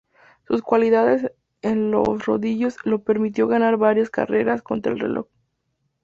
Sus cualidades en los rodillos le permitió ganar varias carreras contra el reloj.